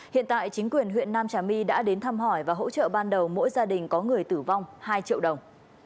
hiện tại chính quyền huyện nam trà my đã đến thăm hỏi và hỗ trợ ban đầu mỗi gia đình có người tử vong hai triệu đồng